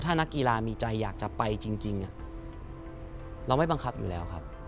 ถ้านักกีฬามีใจอยากจะไปจริงเราไม่บังคับอยู่แล้วครับ